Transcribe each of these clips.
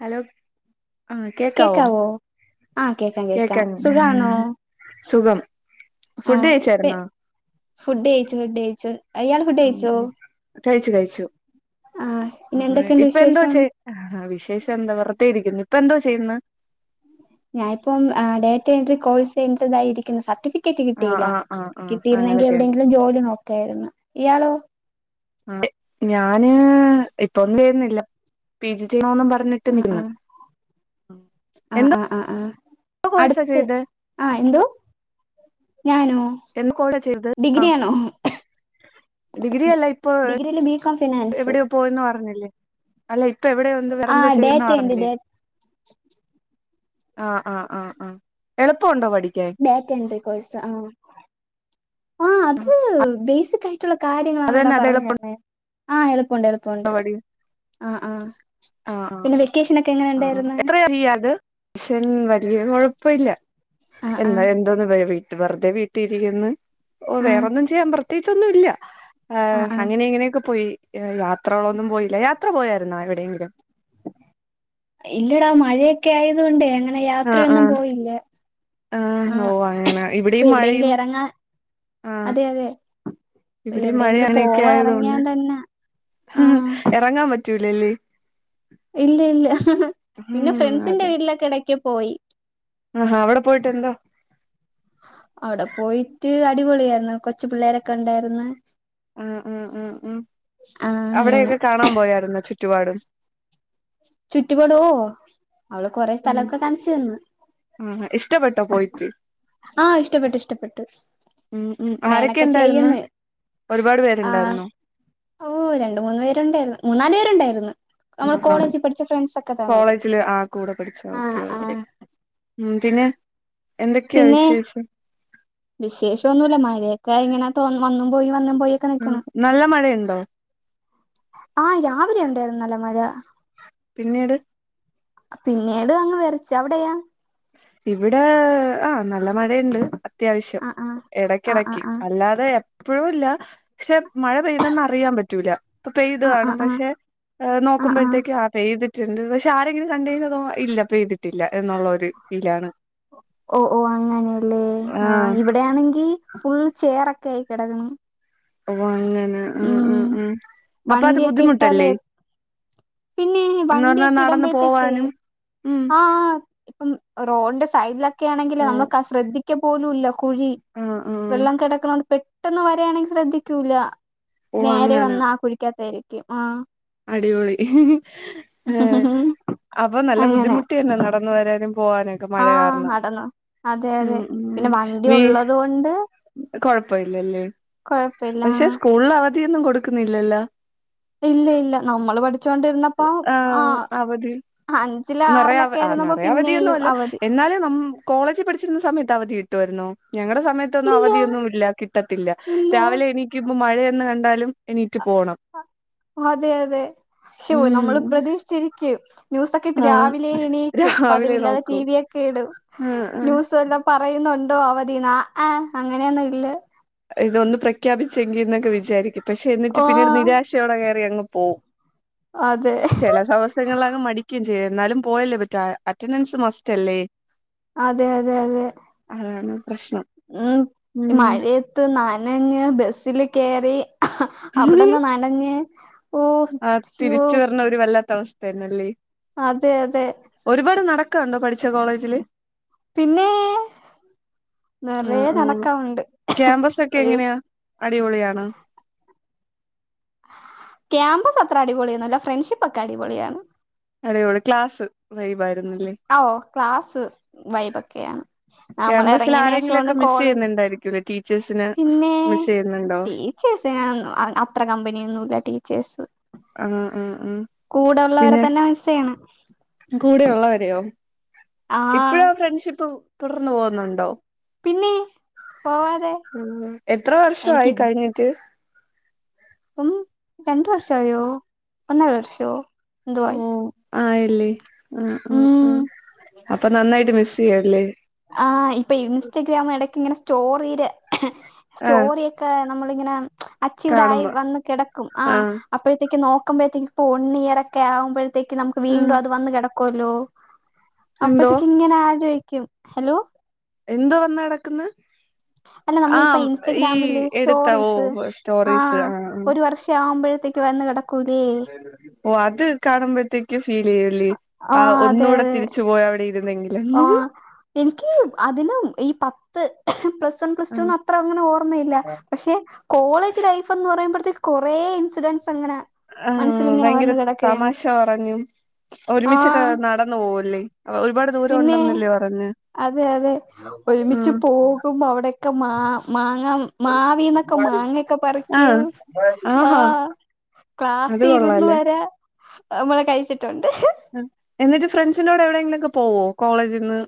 Hello ആ കേക്കാവോ ആഹ് കേക്കാം കേക്ക കേക്കാം സുഖാണോ സുഖം ഫുഡ് ആഹ് ഇപ്പ കഴച്ചരുന്നോ ഫുഡ് കയ്ച്ചു ഫുഡ് കയ്ച്ചു ആ കഴിച്ചു കഴിച്ചു ആഹ് ഉ പിന്നെ എന്തൊക്കെയുണ്ട് ഇപ്പ എന്താ വിശേഷം വച്ചേ വിശേഷം എന്താ വറത്തേരിക്കും ഇപ്പ എന്തോ ചെയ്യുന്നു ഞാനിപ്പം ഡേറ്റ എൻട്രി കോഴ്സ് ചെയ്യതായിരിക്കുന്ന സർട്ടിഫ ടിക്കറ്റ് ആ കിട്ടിയില്ല ആ ആ ആ അങ്ങനെ കിട്ടിയിരുന്നെങ്കി ചെയ്യുന്നു എവിടെയെങ്കിലും ജോലി നോക്കായിരുന്നു ഇയാളോ അ ഞാന് ഇപ്പൊന്നു ചെയ്യന്നില്ല പി ജി ന്നും പറഞ്ഞിട്ട് ആഹ് നിന്ന് ആഹ് ആഹ് എന്താ ആഹ് ആഹ് ആഹ് അടുത്ത് ആ എന്തോ ഞാനോ എന്ത് കോഴ്സാ ചെയ്തത് ആ ഡിഗ്രി ആണോ ഡിഗ്രില്ല ബി എവിടെയ പോയന്ന് പറഞ്ഞില്ലേ അല്ല ഇപ്പ എവിടെയ ഒന്ന് വേറെന്തോ ആഹ് ചെയ്യുന്ന ഡേറ്റ എൻട്രി പറഞ്ഞില്ലേ ആ ആ ആ ആ എളുപ്പണ്ടോ പടി ബാറ്റൻ ബഴസ ആ ആ അത് ബേസിക് ആയി മറ്റുള്ള അത് കാര്യങ്ങളാണ് എടാ തന്നെ അത് പറഞ്ഞു എളുപ്പമുണ്ടോ തരഞ്ഞത് കൊണ്ട് എളുപ്പുണ്ട് ആ ആ ആ ആ ആ എത്രറത്ൻ വല കൊഴപ്പമില്ല ആഹ് എന്താ ആഹ് എന്തോന്ന് വീട്ട വെറുതെ വീട്ടില ഇരിക്കന്ന് ഓ ആഹ് വേറെൊന്നും ചെയ്യാൻ പ്രത്യേകിച്ചച്ച്ന്നും ഇല്ല ആഹ് ആഹ് അങ്ങനെ ഇങ്ങനെയൊക്കെ പോയി അത്രോളം ഒന്നും പോയില്ല യാത്ര പോയായിരുന്നോ എവിടെയെങ്കിലും ഇല്ലടാ മഴയൊക്കെ ആയതുകൊണ്ട് എങ്ങന അങ്ങനെ ആഹ് യാത്രയൊന്നും ആഹ് പോയില്ല ആഹ് ആ ഓ അങ്ങനെ ഇപ്പൊ ഇവിടെയും മഴയും എവിടെയെങ്കിലും ഇറങ്ങാ അതെ അതെ ഇവിടെ എവിടെയെങ്കിലും മഴയനൊക്കെ പോവാ ആയത കൊണ്ട് എറങ്ങിയാൻ തന്നെ ആഹ് ഇറങ്ങാൻ പറ്റ ചലല്ലി ഇല്ല ഇല്ല പിന്നെ ഫ്രണ്ട്സിന്റെ വീട്ടിലൊക്കെ ഇടക്ക പോയി ആ അവിടെ പോയിട്ട് എന്തോ അവിടെ പോയിട്ട് അടിപൊളിയ ആായിന്ന് കൊച്ചു പിള്ളേരൊക്കെ ഉണ്ടായിന്ന് ഉം ഉം ഉം ഉ ആഹ് അങ്ങനെ അവിടെൊക്കെ കാണാൻ പോയുന്ന ചുറ്റ ചുറ്റുപാടും ചുറ്റിപടുവോ അവള് കൊറെേ സ്ഥലൊക്കെ കാണിച്ചു തന്ന് ആ ഇഷ്ടപ്പെട്ടോ പോയിട്ട് ആഹ് ഇഷ്ടപ്പെട്ടു ഇഷ്ടപ്പെട്ടു ഉം ഉം ആരൊക്കെ പ്ലാനൊക്കെ ഉണ്ടായിുന്ന ചെയ്യുന്ന് ഒരുപാട് ആഹ് പേരുണ്ടായിുന്ന ഓ രണ്ട മൂന്ന് പേരുണ്ടായിരുന്നു മൂന്നാല് പേരുണ്ടായിരുന്നു നമ്മള് കോളേജിൽ പഠിച്ച ഫ്രണ്ട്സ് ഒക്കെ തമര് കോളേജില് ആ കൂടെ പഠിച്ച ആ ഓക്കെ ആ ഓക്കെ ഉം പിന്നെ എന്തൊക്കെയാ വിശേഷം വിശേഷംന്നുല്ല മഴയൊക്കെ ഇങ്ങനെ തോന്ന വന്നും പോയി വന്നും പോയി ഒക്കെ നല്ല മഴയുണ്ടോ ആ രാവിലെ ഉണ്ടായിരുന്നല്ല മഴ പിന്നീട് പിന്നീട് അങ്ങ് വിറിച്ച അവിടെയാ ഇവിടെ ആ നല്ല മഴണ്ട് അത്യാവശ്യം ആഹ് ആഹ് ആഹ് ഇടക്കിടക്ക് ആഹ് അല്ലാതെ എപ്പോഴ ഇല്ല പക്ഷെ മഴ പെയ്തെന്ന് അറിയാൻ പറ്റൂല പൊ പേയ്ത് ആഹ് ആഹ് കാണും ആഹ് ആഹ് പക്ഷെ ആഹ് ആഹ് നോക്കുമ്പോഴത്തേക്കും ആ പേ ചെയ്ത് പക്ഷെ ആരെങ്കിലും കണ്ട അതോ ഇല്ലപ്പൊ ചെയ്തിട്ടില്ല എന്നുള്ളൊരു ഫലാണ് ഓ ഓ അങ്ങനെയല്ലേ ആ ആഹ് ഇവിടെയാണെങ്കിൽ ഫുൾ ചെയറൊക്കെ കൈ കിടക്കുന്നു ഓ അങ്ങനെ ഉം ഉം ഉം അപ്പൊ അത് വണ്ടിയൊക്കെ ഇട്ടാലേ ബുദ്ധിമുട്ടല്ലേ പിന്നെ എന്ന് പറഞ്ഞാൽ വണ്ടിയൊക്കെ നടന്നു ഇടുമ്പഴത്തേക്കേ പോവാനും ഉം ആഹ് ആ ഇപ്പം റോഡിന്റെ സൈഡിലൊക്കെ ആണെങ്കില് ഓ നമ്മൾക്ക് ശ്രദ്ധിക്ക പോലുംല്ല കുഴി ആഹ് ആഹ് വെള്ളം കിടക്കുന്നോണ്ട് പെട് ട്ടെന്ന് വരാണെ ശ്രദ്ധിക്ക്യൂല്ലാ ഓ നേരെ അങ്ങനെ വന്ന് ആ കുഴിക്ക്യാത്തേരിക്കും ആഹ് അടിപൊളി ഏഹ് അപ്പൊ നല്ല അങ്ങനെ ബുദ്ധിമുട്ടിയന്നെ നടന്ന് വരാനും പോവാനൊക്കെ മഴ ആഹ് കാരണം നടന്നു അതെ അതെ ഉം ഉം പിന്നെ വണ്ടി വീ ഉള്ളത് കൊഴപ്പയില്ലല്ലേ കൊഴപ്പയില്ലാ ധിയൊന്നും കൊടുക്ക്ന്നില്ലല്ലോ ഇല്ല ഇല്ല നമ്മള് പഠിച്ചോണ്ടിരുന്നപ്പം ആഹ് അഞ്ചില് നെറയെ അവ ആറിലൊക്കെ ആഹ് ആയിരുന്നപ്പോ നെറയെ അവധിയൊന്നും പിന്നെയും അല്ല അവധി എന്നാലും ന കോളേജ് പഠിച്ചിര്ന്ന സമയത്ത് അവധി കി ട്ടുവാരുന്നു ഞങ്ങളെ സമയത്തൊന്നും ഇല്ല അവധിയൊന്നും ഇല്ല കിട്ടത്തില്ല ഇല്ല രാവിലെ എനീക്കിമ്പം മഴയേ ണ് കണ്ടാലും എണീ ആഹ് അതെ അതെ ശ്ശൊ നമ്മള് ഉം പ്രതീക്ഷിച്ചിരിക്ക്യും ന്യൂസ ക്കിട്ട് ആഹ് രാവിലെ എണീക്കും രാവിലെ പതിവില്ലാതെ നോക്കൂ ടീവിയൊക്കെ ഇടും ആഹ് ആഹ് ന്യൂസ് വല്ലോം പറയു ന്നുണ്ടോ അവധിന്ന് ആ ഏഹ് അങ്ങനെയൊന്നും ഇല്ലാ ഇതൊന്ന് പ്രഖ്യാപിച്ചെങ്കിന്നൊക്കെ വിചാരിക്കും പക്ഷെ എന്നിട്ട് ഓ പിന്നീട് നിരാശയോടെ കയറി അങ്ങ് പോവും അതെ ചെലസവസങ്ങളിലാകെ മടിക്കിം ചെയ്യും എന്നാലും പോയല്ലോ ഇവറ്റാ അറ്റൻഡൻസ് മസ്റ്റല്ലേ അതെ അതെ അതെ പ്രശ്നം ഉം ഈ ഉം മഴയ ത്ത് നനഞ്ഞ് ബസില് കേറി അവട്ന്ന് നനഞ്ഞ് ഓ ആഹ് ശോ തിരിച്ച് വർണൊര് വല്ലാത്ത അവസ്ഥയന്നല്ലെ അതെ അതെ ക്കണ്ടോ പഠിച്ച കോളേജില് പിന്നെ ഉം നിറയെ ഉം നടക്കാനുണ്ട് ക്യാമ്പസെക്കെ ഒരു എങ്ങനെയാ അടിപൊളിയാണോ ക്യാമ്പസ് അത്ര അടിപൊളിയൊന്നു അല്ല ഫ്രണ്ട്ഷിപ്പ് ഒക്കെ അടിപൊളിയാണ് അടിപൊളി ക്ലാസ് വൈബായിരുന്നല്ലേ ഓഹ് ക്ലാസ് വൈബൊക്കെയാണ്. നമ്മൾ ക്യാമ്പസിൽ എറങ്ങിയേന് ആരെങ്കിലും ശേഷമാണ് ഒക്കെ മിസ് കോളേജ് ചെയ്യുന്നുണ്ടായിരിക്കൂല്ലേ ടീച്ചേഴ്സിന് പിന്നേ മിസ് ചെയ്യുന്നുണ്ടോ ടീച്ചേഴ്സ് അത്ര കമ്പനിയൊന്നൂല്ല. ടീ ച്ചേഴ്സ്. ആ ആ ആ കൂടെള്ളവരെ പിന്നെ തന്നെ മിസ്സ് ചെയ്യണ് കൂടെ ഉള്ളവരെയോ? ഇപ്പഴും ആ ഫ്രണ്ട്ഷിപ്പ് തുടർന്ന് പോകുന്നുണ്ടോ പിന്നെ പോവാതെ ഉം. എത്ര എനിക്ക് വർഷവായി കഴിഞ്ഞിട്ട്? ഇപ്പം രണ്ട് വർഷായോ ഒന്നര വർഷോ? എന്തോ ആയി. ആയ ല്ലേ. ആഹ് ആഹ് ഉം ആഹ് അപ്പം നന്നായിട്ട് മിസ് ചെയ്യു അല്ലേ സ്റ്റോറീടെ സ്റ്റോറിയൊക്ക നമ്മളിങ്ങനെ അച്ചീവ്ട് ആയി കാണുമ്പോ വന്ന് കെടക്കും ആഹ് അപ്പഴ്ത്തേക്ക് നോക്കുമ്പഴ്ത്തേക്ക്‌ ഇപ്പൊ ഒൺ ഇയർ ഒക്കെ ആകുമ്പഴ് ത്തേക്ക് നമുക്ക് ആഹ് വീണ്ടും അത് വന്ന് കിടക്കോല്ലോ എന്തോ അപ്പഴ്ത്തേക്ക് ഇങ്ങനെ ആലോയിക്കും ഹലോ എന്തോ വന്ന് കിടക്ക് ന്നെ? അല്ല നമ്മള് ഇപ്പ ഇൻസ്റ്റഗ്രാമില് എടുത്ത ഓ സ്റ്റോറീസ് സ്റ്റോറീസ് ആഹ് ആഹ് ഒരു വർഷം ആവുമ്പഴ്ത്തേ ക്ക് വന്ന് കിട ഓ അത് കാണുമ്പോഴത്തേക്ക് ഫീലെയ്യും. [unintelligible] ആ ഒന്നുകൂടെ തിരിച്ചു പോയി അവിടെ ഇരുന്നെങ്കിൽ ആ.. എനിക്ക് അതിന് ഈ പത്ത് പ്ലസ്- പ്ലസ്‌. ടു അത്ര അങ്ങനെ- ഓർമ്മയില്ല പക്ഷെ കോളേജ് ലൈഫ്ന്ന് പറയുമ്പോഴേ- കുറേ.. ഇൻസിഡന്റ്സ്. അങ്ങനെ ആ.. മനസ്സിലിങ്ങനെ ഭയങ്കര വന്ന് കിടക്കയാണ് തമാശ പറഞ്ഞും ഒരുമിചോക്ക ആഹ് നടന്നു പോകുല്ലേ. ഒരുപാട് ദൂരം പിന്നെ ഉണ്ടെന്ന്ല്ലേ പറഞ്ഞെ. അതെ അതെ ഒരുമിച്ച് പോകുമ്പോ- അവിടെയൊക്കെ മാങ്ങ, മാവിന്നോ ക്കെ മാങ്ങൊക്കെ പറിക്കൂ ആഹ് ആ.. ആഹാ അത് ക്ലാസ് ഇരുന്നു കൊള്ളാല്ലേ വരെ നമ്മളെ കഴിച്ചിട്ടുണ്ട്. എന്നിട്ട് ഫ്രണ്ട്സിന്റെടെ- എവിടെങ്കിലുക്കെ പോവോ? കോളേജിൽ നിന്ന്.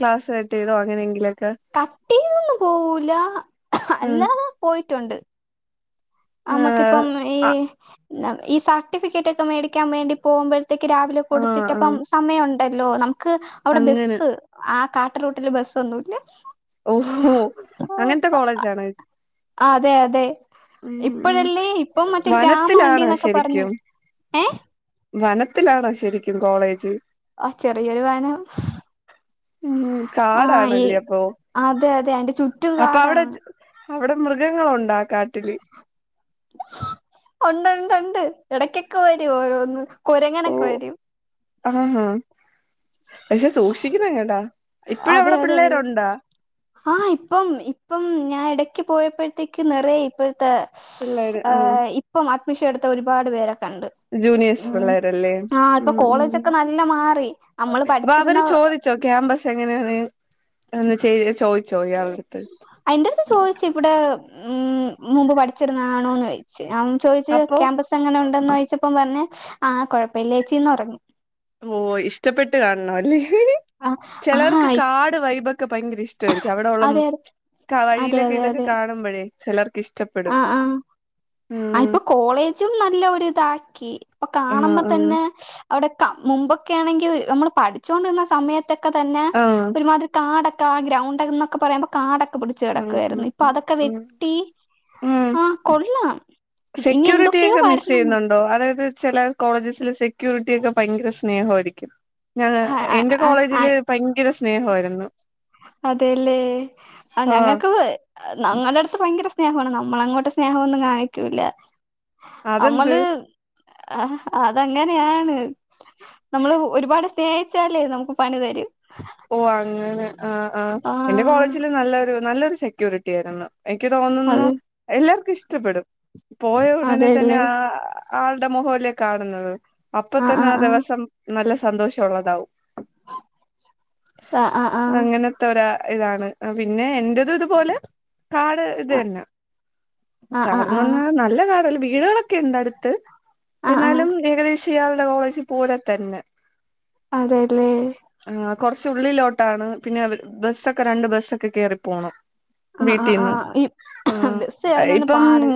ക്ലാസ് കാട്ട് ചെയ്‌തോ തോ.. അങ്ങനെങ്കില്- കട്ടി ചെയ്‌തോന്നും പോവുല ഉം അല്ലാതെ പോയിട്ടുണ്ട്. ആഹ് നമ്മക്കിപ്പം ഈ.. ഈ.. സർട്ടിഫിക്കറ്റ്- ഒക്കെ മേടിക്കാൻ വേണ്ടി പോകുമ്പോഴ- ത്തക്ക് രാവിലെ ആഹ് ആഹ് കൊടുത്തിട്ടപ്പം- സമയം ഉണ്ടല്ലോ നമുക്ക് അവിടെ അങ്ങനെ ബസ്, ആ... [unintelligible] റൂട്ടില് ബസ്ഒന്നുല്ല. ഓ.. ഓ.. അങ്ങനത്തെ കോളേജ് ആണോ? അതെ.. അതെ. ഉം ഇപ്പഴല്ലേ ഇപ്പം മറ്റേ ഗ്രാമം വനത്തിലാണോ ഉണ്ടീന്നൊക്കെ പറഞ്ഞേ, ശരിക്കും ഏ.. ! വനത്തിലാണോ ശരി. ആ.. ചെറിയ ഒരു വനം. ഉം.. കാടാണല്ലേ അപ്പോ അതെ അതെ അയിന്റെ ചുറ്റും അപ്പോ കാടാണ് അവിടെ- മൃഗങ്ങളുണ്ട കാട്ടില്? ഉണ്ട്... ഉണ്ട് ഒന് ഉണ്ട് ഇടക്കൊക്കെ- വരും ഓരോന്ന്. ഓ കൊരങ്ങനൊക്കെ വരും. ആഹാ പക്ഷെ സൂക്ഷിക്കണം കേട്ടാ ഇപ്പഴും അതെ... അവിടെ അതെ... പിള്ളേരുണ്ടാ ആ ഇപ്പം- പ്പം ഞാ ഇടയ്ക്ക് പോയപ്പോഴത്തേക്ക് നിറയ ഇപ്പോഴത്തെ പിള്ളേര് ആ ആഹ് ഇപ്പം വിഷെടുത്ത ഒരുപാട് പേരക്ക കണ്ട് ജൂനിയേഴ്സ് മ്.. പിള്ളേരല്ലേ ആ ഇപ്പൊ ഉം കോളേജൊക്കെ നല്ല മാറി അമ്മൾ പട്- പ്പ അവര് ചോദിച്ചോ ക്യാമ്പസ് എങ്ങനെയാണ്ന്ന് ഒന്ന് ചെയ് ചോദ അയിൻ്റട്ത്ത് ചോയ്ച്ച് ഇവിടെ ഉം.. മുമ്പ് പഠിച്ചിരുന്നാണോന്ന് ചയിിച്ചു ൻ ചോദിച്ചു അപ്പൊ ക്യാമ്പസ് എങ്ങനെ ഉണ്ടന്ന് വായിച്ചപ്പം പറഞ്ഞഞ് ആഹ കൊഴപ്പില്ലേച്ചീന്നൊറങ്ങി. ഓ ഇഷ്ടപ്പെട്ട് കാണണംല്ലേ.. ആഹ് ആഹ് ചിലർക്ക് കാട് വൈഭ- ക്ക ഭയങ്കര ഇഷ്ടായിരിക്കും അവിടെ ഉള്ളം അതെ അതെ ക വഴിയിലൊക്കെ ഇതൊക്കെ കാണുമ്പോഴേ ചെലർക്ക് ഇഷ് ആഹ ആഹ. ആ ഇപ്പൊ കോളേജും നല്ല ഒ ഇതാക്കി ഇപ്പൊ ആഹ് കാണുമ്പോ ആഹ് തന്നെ അവിടക്ക മുമ്പൊക്കേണെങ്കി നമ്മൾ പഠിച്ചൊണ്ടിരുന്ന സമയത്തൊക്കെ തന്നെ ആഹ് ഒരുമാതിരി കാട. കാ ഗ്രൗണ്ട് എന്നൊക്കെ പറയുമ്പോ കാടൊക്കെ പിടിച്ച് ഉം കിടക്കുവായിരുന്നു ഉം ഇപ്പ അതൊക്കെ ഉം വെട്ടി. ഉം ആ കൊള്ളാം ഇനി എന്തൊക്കെയോ സെക്യൂരിറ്റിയൊക്കെ മിസ്സെ വരണന്ന് യ്യുന്നുണ്ടോ അ അത് ചില കോളേജസിലെ സെക്യൂരിറ്റി ഒക്കെ ഭയങ്കര സ്നേഹായിരിക്കും. ഞ ആ എറെ ആ ആ കോളേജില് ഭയങ്കര സ്നേഹമായിരുന്നു അതെല്ലേ ആ ആഹ് ഞങ്ങക്ക് ന്നങ്ങട ട്ത്ത് ഭയങ്കര സ്നേഹമാണ് നമ്മളങ്ങോട്ട് സ്നേഹംൊന്നും കാണിക്കൂല്ല അതെന്ത് അമ്മല് അ അതങ്ങനെയാണ്. നമ്മള് ഒരുപാട് സ്നേഹിച്ചാലേ നമുക്ക് പണി തരും. ഓ അങ്ങനെ ആ ആ് ആ എന്റെ കോളേജില് നല്ലൊരു നല്ലൊരു സെക്യൂരിറ്റിയാരുന്നു. എക്ക് തോന്നുന്നു അത് എല്ലാർക്കും ഇഷ്ടപ്പെടും പോയ ഉടനെ തന്നെ അതെല്ലേ ആ... ആളുടെ മുഹോലെ കാണുന്നത് അപ്പൊ തന്നെ ആ ദിവസം നല്ല സന്തോഷംള്ളതാവും ആ ആ ആ അങ്ങനത്തൊരാ ഇതാണ് അ പിന്നെ എന്റത് ഇതുപോലെ. കാട് ഇത് തന്ന ആ ആ ആ കാട്ന്ന് പറഞ്ഞാ നല്ല കാടല്ല വീടുകളൊക്കെയുണ്ട ടുത്ത്. ആ ആ ആ എന്നാലും ഏകദേശംയാളുടെ വോയ്സി പോലെ തന്നെ. അതെല്ലേ. ആഹ് കൊറച്ച് ഉള്ളിലോട്ടാണ് പിന്നെവര് ബസ്സൊക്കെ രണ്ട് ബസ്സൊക്കെ കേയറി പോണം. ആ ആ ആ വീട്ടീന്ന് ഈ ആ ബസ് കേറുന്നേന് ഇപ്പം പാട്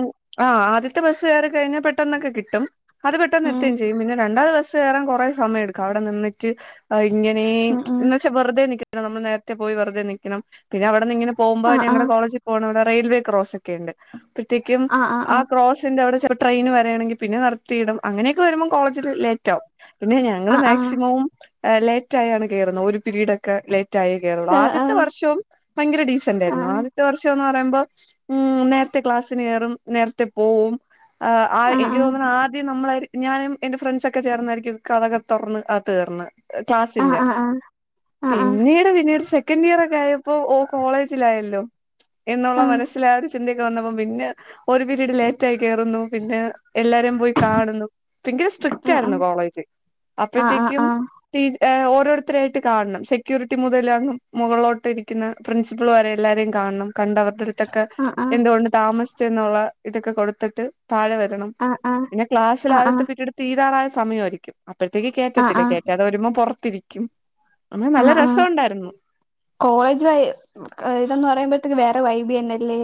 ആ ആദ്യത്തെ ബസ്ുകർ കഴിഞ്ഞാൽ പെട്ടന്നൊെ കിട്ടും അത് പെട്ടെന്ന് ഉം എുകയും ചെയ്യും പിന്നെ രണ്ടാത് രം കുറെേ സമയ എടുക്കും അവിടെ നിന്ന എ ഉം ഉം എന്നച്ചാ വെറുതെ നിക്ക നമ്മൾ നേരത്തെ പോയി വെറുതെ നിക്കണം. പിന്നവിടിന്നിങ്ങെനെ പോവുമ്പോ ആ ആ ഞങ്ങടെ കോളേജിൽപോണവിടെ റെയിൽവേ ക്രോസൊക്കെണ്ട്. അപ്പത്തേക്കും ആ ക്രോസിന്റെ അവിടെ ട്രെയിന് വരയാണെങ്ക പിന്നെ നടത്തിയിടും അങ്ങനെയൊക്കെ വരുമ്പോ കോളേജിൽ ലേറ്റ് ആകും പിന്നെ ഞങ്ങൾ ആ ആ മാക്സിമം ലേറ്റ ആയാണ് കേയറുന്നത് ഒരു പിരീഡ ഒക്കെ ല മറ്റായി കേരളം ആ ആ ആ ആ ആദ്യത്തെ വർഷവും ഭയങ്കര ഡീസന്റ് ആ ആയിരുന്നു ആദ്യത്തെ വർഷംന്ന് പറയുമ്പോ ഉ നേരത്തെ ക്ലാസ്സിന് കയറും നേരത്തെ പോവും ആ എനിക്ക് ആ തോന്നുന്നത് ആദ്യം നമ്മള ഞാനും എന്റെ ഫ്രണ്ട്സ ഒക്കെ ചേർന്നായിരിക്കും കഥകെ തുറന്ന് അത് തീർന്ന് ക്ലാസ്സിന്റെ ആ ആ ആ ആ പിന്നീട് പിന്നീട് സെക്കൻഡീയർ ഒക്കെ ആയ. പ്പോ ഓ കോളേജിലായല്ലോ എന്നുള്ള ഉം മനസ്സൽ ആ രു ചിന്ത പിന്നന്നപ്പം പിന്നെ ഒരു പിരീഡ് ലേറ്റായി കേറുന്നു, പിന്നെ എല്ലാരും. പോയി കാണുന്നു ഭങ്കര സ്ട്രിക്റ്റ് ഉം ആയിരുന്നു കോളേജ് ആ ആ അപ്പഴത്തേക്കും ആ ഓരോരുത്തരായിട്ട് കാണണം സെക്യൂരിറ്റി മുതല മുകളിലോട്ട് ഇരിക്കുന്ന പ്രിൻസിപ്പൾ വരെല്ല കാണണം കണ്ടവരുടെ അടുത്തൊക്കെ ആ എന്തുകൊണ്ട് താമസിച്ചു എന്നുള്ള ഇതൊക്കെ കൊടുത്തിട്ട് താഴെ വരണം ആ ആ ആ പിന്നെ ക്ലാസ്സൽ ആ ആ ആദ്യത്തെ പിറ്റീട് തീതാറായ സമയമായിരിക്കും അപ്പഴത്തേക്ക് ആ ആ കയറ്റത്തില്ല ആ കയറ്റാതെ വരുമ്പോ പൊറത്തിരിക്കും. ആ ആ കോളേജ് ഇതന്ന് പറയുമ്പോഴത്തേക്ക് വേ വൈബിന്നല്ലേ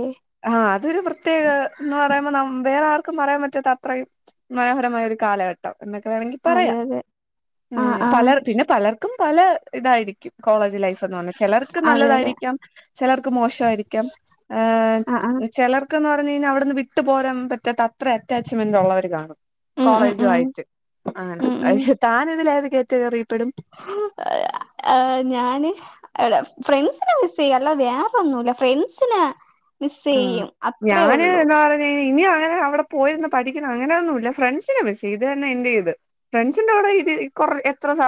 ആഹ അതൊരു പ്രത്യേക എന്ന് പറയുമ്പോ ന- വേറെ ആർക്കും പററയാൻ പറ്റാത്ത അത്രയും മനോഹരമായ ഒരു കാലഘട്ടം എന്നൊക്കെ വേണങ്കി അതെ പറയാം. അതെ ആ ഉം ആ പലർ പിന്നെ പലർക്കും പല ഇതായിരിക്കും. കോളേജ് ലൈഫ്ന്ന് പറഞ്ഞ് ചിലർക്ക് അതെ അതെ നല്ലതായിരിക്കാം ചിലർക്ക് മോശായിരിക്കാം. ആഹ് ആ ആ ചിലർക്ക്‌ന്ന് പറഞ്ഞു കഴിഞ്ഞാൽ അവിടുന്ന് വിട്ടു പോരാൻ പറ്റാത്ത അത്രേം അറ്റാച്ച്മെന്റ് ഉള്ളവര് കാണും. ഉം ഉം കോളേജു ഉം ആയിട്ട് അങ്ങനെ പക്ഷെ താൻ ഇതിലേത് ക്യാറ്റഗറി? ഏ ഞാന് ഫ്രണ്ട്സിനെ മിസ്സിയ്യും അല്ലാതെ വ്യേറൊന്നുംല്ല ഫ്രണ്ട്സിനെ മിസ് ഉം ചെയ്യും അത്രേ ഞാന് ഉള്ളൂ എന്താ പറഞ്ഞ ഇനിയും അങ്ങനെ അവിടെ പോയൊന്ന് പഠിക്കണം അങ്ങനെ ഒന്നും ഇല്ല. ഫ്രണ്ട്സിനെ മിസ്സീത് ഇത് തന്നെ എൻഡ് ചെയ്ത് ഫ്രണ്ട്സിന്റെറെ കൂടെ [unintelligible] കൊറെ എത്ര ന